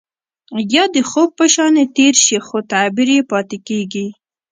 يا د خوب په شانې تير شي خو تعبير يې پاتې کيږي.